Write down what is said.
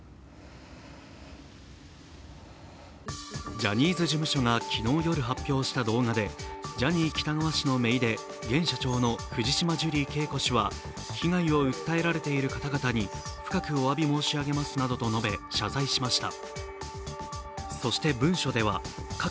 ジャニーズ事務所が昨日夜発表した動画で、ジャニー喜多川氏のめいで、現社長の藤島ジュリー景子氏は被害を訴えられている方々に深くお詫び申し上げますなどと述べ、謝罪しました。